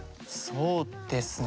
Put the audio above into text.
そうですね。